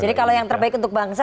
jadi kalau yang terbaik untuk bangsa